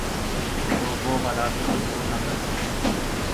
تو وہ حالات کو کنٹرول نہ کر سکیں۔